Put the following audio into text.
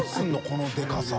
このでかさ。